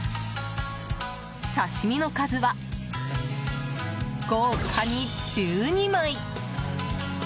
刺し身の数は、豪華に１２枚。